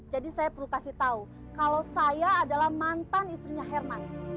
jadi saya perlu kasih tahu kalau saya adalah mantan istrinya herman